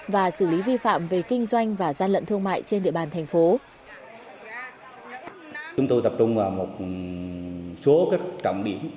và xử lý vi phạm về kinh doanh và gian lận thương mại trên địa bàn thành phố